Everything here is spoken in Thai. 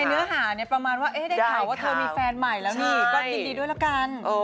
เนื้อหาเนี่ยประมาณว่าได้ข่าวว่าเธอมีแฟนใหม่แล้วนี่ก็ยินดีด้วยละกัน